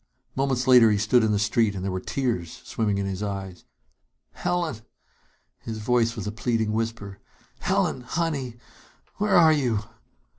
Moments later he stood in the street and there were tears swimming in his eyes. "Helen!" His voice was a pleading whisper. "Helen, honey, where are you?"